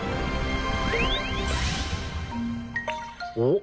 おっ！